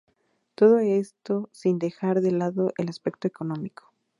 Todo esto sin dejar de lado el aspecto económico.